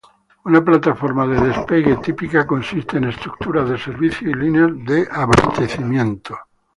Una plataforma de despegue típica consiste en estructuras de servicio y líneas de abastecimiento.